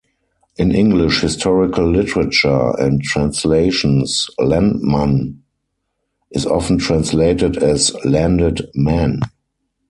In English historical literature and translations, "lendmann" is often translated as "landed man".